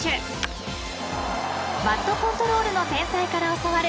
［バットコントロールの天才から教わる